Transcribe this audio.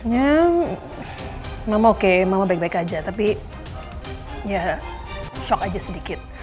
ya memang oke mama baik baik aja tapi ya shock aja sedikit